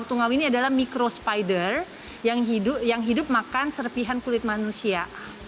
tungau ini adalah micro spider yang hidup makan serpihan kulit manusia